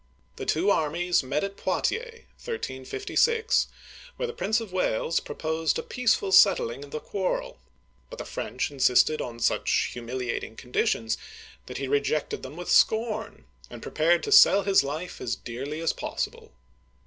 The two armies met at Poitiers (1356), where the Prince of Wales proposed a peaceful settling of the quarrel ; but the French insisted on such humiliating conditions, that he rejected them with scorn, and prepared to sell his life as dearly as possible.